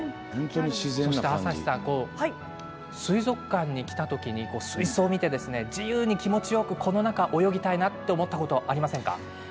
そして朝日さん水族館に来たときに水槽を見て自由に気持ちよく、この中を泳ぎたいなって思ったことありませんか？